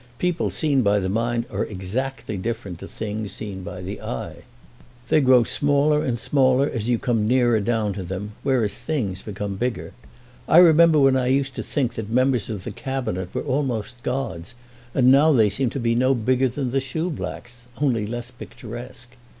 People seen by the mind are exactly different to things seen by the eye. They grow smaller and smaller as you come nearer down to them, whereas things become bigger. I remember when I used to think that members of the Cabinet were almost gods, and now they seem to be no bigger than the shoeblacks, only less picturesque.